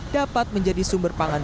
dapat menjadi sumber keuntungan